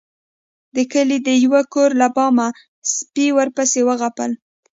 د کلي د يو کور له بامه سپي ورپسې وغپل.